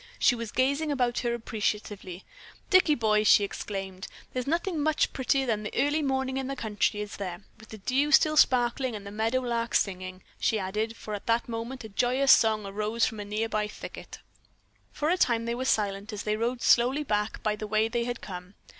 She was gazing about her appreciatively. "Dicky boy," she exclaimed, "there's nothing much prettier than early morning in the country, is there, with the dew still sparkling and a meadow lark singing," she added, for at that moment a joyous song arose from a near by thicket. For a time they were silent as they rode slowly back by the way they had come.